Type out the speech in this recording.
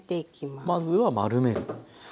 まずは丸める。